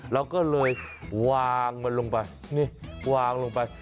เราก็เลยวางมันลงไปนี่วางลงไป